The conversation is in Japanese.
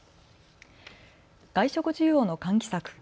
外食需要の喚起策